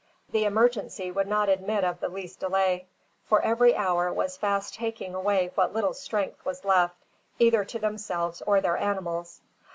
The emergency would not admit of the least delay, for every hour was fast taking away what little strength was left either to themselves or their animals.